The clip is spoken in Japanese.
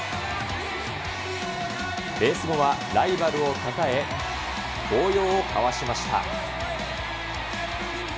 レース後はライバルをたたえ、抱擁をかわしました。